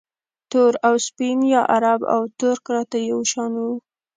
تور او سپین یا عرب او ترک راته یو شان وو